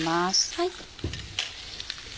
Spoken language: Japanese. はい。